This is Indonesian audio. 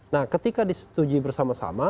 nah ketika disetujui bersama sama